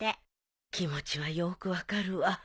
気持ちはよく分かるわ。